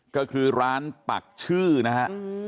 ก็คือร้านปักชื่อนะฮะ